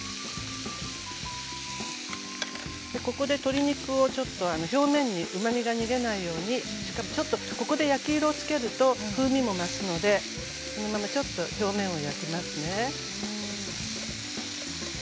ここで鶏肉をちょっと表面にうまみが逃げないようにここで焼き色をつけると風味も増すので表面を焼きますね。